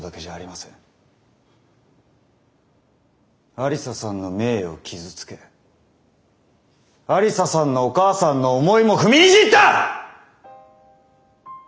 愛理沙さんの名誉を傷つけ愛理沙さんのお母さんの思いも踏みにじった！